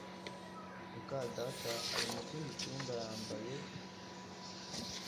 muka data ari mu kindi cyumba yambaye